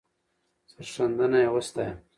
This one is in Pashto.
سرښندنه یې وستایه.